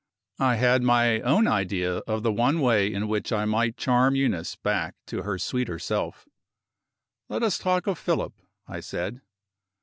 I had my own idea of the one way in which I might charm Eunice back to her sweeter self. "Let us talk of Philip," I said.